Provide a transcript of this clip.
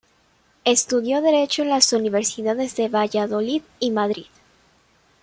Estudió Derecho en las universidades de Valladolid y Madrid.